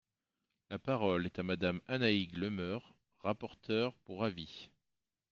La parole est à Madame Annaïg Le Meur, rapporteure pour avis.